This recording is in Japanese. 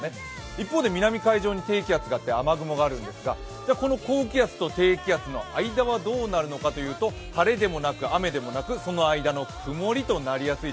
一方で南海上に低気圧があって雨雲があるんですがこの高気圧と低気圧の間はどうなるのかというと晴れでもなく、雨でもなく、その間の曇りとなりやすい。